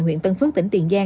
huyện tân phước tỉnh tiền giang